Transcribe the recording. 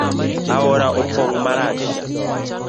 Aora opong marach